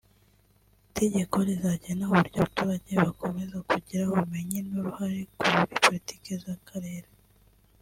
itegeko rizagena uburyo abaturgae bakomeza kugira ubumenyi n’uruhare kuri politiki z’akarere